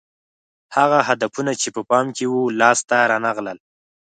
هغه هدفونه چې په پام کې وو لاس ته رانه غلل